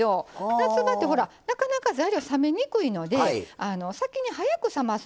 夏場ってほらなかなか材料冷めにくいので先に早く冷ますっていうのが大事。